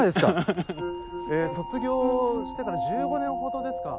卒業してから１５年ほどですか？